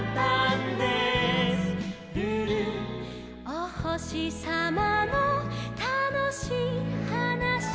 「おほしさまのたのしいはなし」